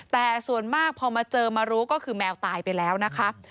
แต่ส่วนมากพอมาเจอมารู้ก็คือแมวตายไปแล้วนะคะ